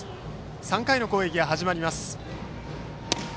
３回の攻撃が始まりました。